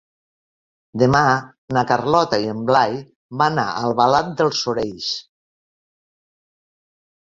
Demà na Carlota i en Blai van a Albalat dels Sorells.